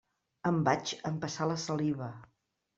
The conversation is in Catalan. Em vaig empassar la saliva.